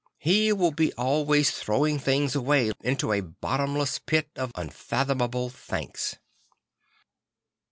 He will be always throwing things away into a bottomless pit of unfathomable thanks.